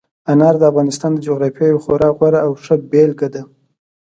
انار د افغانستان د جغرافیې یوه خورا غوره او ښه بېلګه ده.